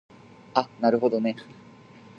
あなるほどね